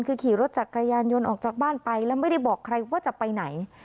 คือขี่รถจักรยานยนต์ออกจากบ้านไปแล้วไม่ได้บอกใครว่าจะไปไหน